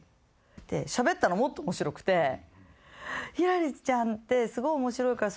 しゃべったらもっと面白くて「ひらりちゃんってすごい面白いから」